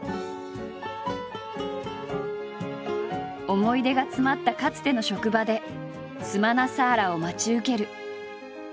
思い出が詰まったかつての職場でスマナサーラを待ち受ける。